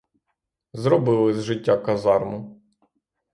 Зробили з життя казарму!